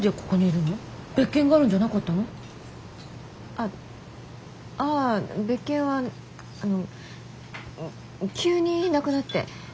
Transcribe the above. ああぁ別件は急になくなって。